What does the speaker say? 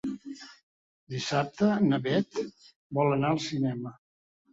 Dissabte na Bet vol anar al cinema.